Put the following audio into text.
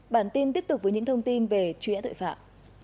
bản tin tiếp tục với những thông tin về chuyện tội phạm